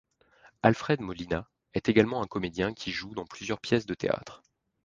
Alfred Molina est également un comédien qui joue dans plusieurs pièces de théâtre.